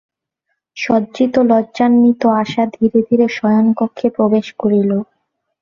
সজ্জিত লজ্জান্বিত আশা ধীরে ধীরে শয়নকক্ষে প্রবেশ করিল।